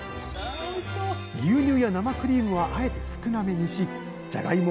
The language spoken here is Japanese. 牛乳や生クリームはあえて少なめにしじゃがいも